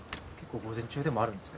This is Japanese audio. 午前中でもあるんですか？